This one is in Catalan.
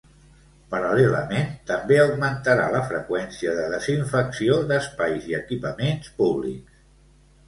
Paral·lelament, també augmentarà la freqüència de desinfecció d'espais i equipaments públics.